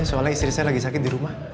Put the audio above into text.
soalnya istri saya lagi sakit di rumah